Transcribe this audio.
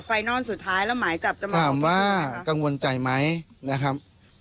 นอนสุดท้ายแล้วหมายจับจะมาถามว่ากังวลใจไหมนะครับ